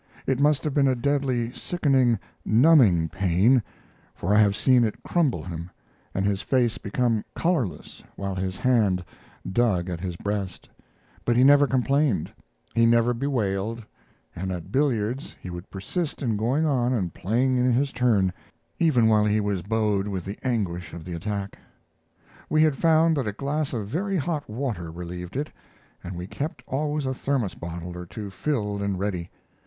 It must have been a deadly, sickening, numbing pain, for I have seen it crumple him, and his face become colorless while his hand dug at his breast; but he never complained, he never bewailed, and at billiards he would persist in going on and playing in his turn, even while he was bowed with the anguish of the attack. We had found that a glass of very hot water relieved it, and we kept always a thermos bottle or two filled and ready.